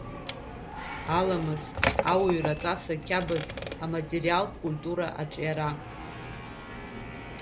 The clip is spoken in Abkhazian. Аламыс, ауаҩра, аҵас-қьабз, аматериалтә культура арҿиара.